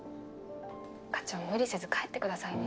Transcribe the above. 課長無理せず帰ってくださいね。